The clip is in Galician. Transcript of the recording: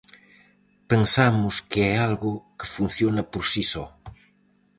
Pensamos que é algo que funciona por si só.